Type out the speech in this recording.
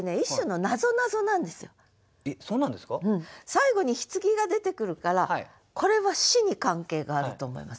最後に「柩」が出てくるからこれは「死」に関係があると思いません？